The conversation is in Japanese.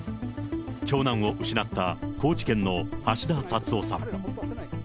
長男を失った高知県の橋田達夫さん。